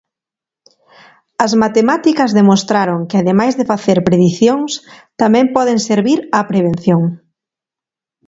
As matemáticas demostraron que ademais de facer predicións tamén poden servir á prevención.